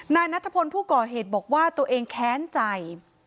นายนัทพลผู้ก่อเหตุบอกว่าตัวเองแค้นใจ